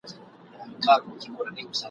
تر قیامته به پر خړو خاورو پلن یو ..